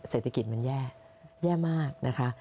เศรษฐกิจมันแย่แย่มากนะคะ